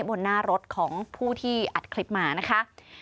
บนหน้ารถของผู้ที่อัดคลิปมานะคะ